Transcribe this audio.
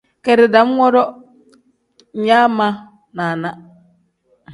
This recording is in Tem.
Keeri dam woro nyaa ma naana.